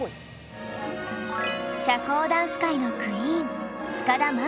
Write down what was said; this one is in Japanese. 社交ダンス界のクイーン塚田真美さん。